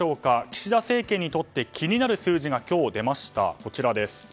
岸田政権にとって気になる数字が今日、出ました。